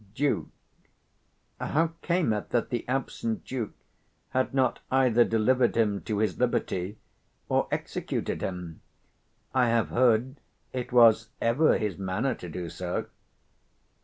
Duke. How came it that the absent Duke had not 125 either delivered him to his liberty or executed him? I have heard it was ever his manner to do so.